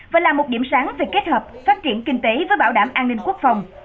và là một điểm sáng về kết hợp phát triển kinh tế với bảo đảm an ninh quốc phòng